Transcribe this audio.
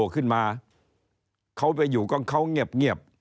ขึ้นมาเขาไปอยู่กับเขาเงียบ